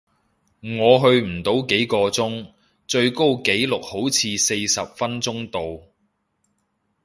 我去唔到幾個鐘，最高紀錄好似四十分鐘度